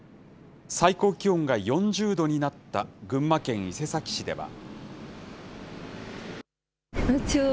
最高気温が４０度になった群馬県伊勢崎市では。